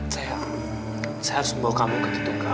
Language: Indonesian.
saya harus membawa kamu ke ditukar